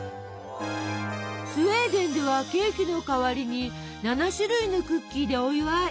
スウェーデンではケーキの代わりに７種類のクッキーでお祝い！